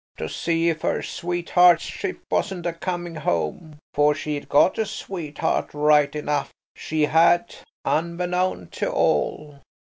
"To see if her sweetheart's ship wasn't a coming home. For she'd got a sweetheart right enough, she had, unbeknown to all.